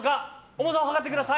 重さを量ってください。